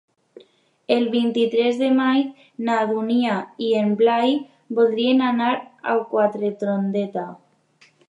El vint-i-tres de maig na Dúnia i en Blai voldrien anar a Quatretondeta.